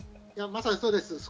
まさにそうです。